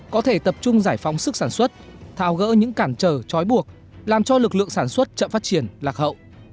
có thể tập trung giải phóng sức sản xuất thao gỡ những cản trở chói buộc làm cho lực lượng sản xuất chậm phát triển lạc hậu